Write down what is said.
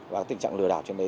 và tình trạng lừa đảo trên đấy